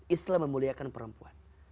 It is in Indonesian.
islam memuliakan perempuan